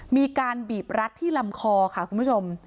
มีการบีบรัดที่ลำคอค่ะคุณผู้ชม